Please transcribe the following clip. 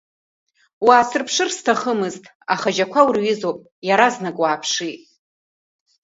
Уаасырԥшыр сҭахымызт, аха ажьақәа урҩызоуп, иаразнак уааԥшит…